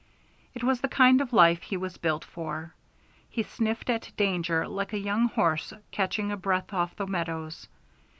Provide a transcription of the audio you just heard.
It was the kind of life he was built for; he sniffed at danger like a young horse catching a breath off the meadows.